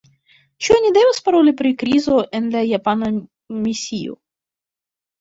Ĉu oni devas paroli pri krizo en la japana misio?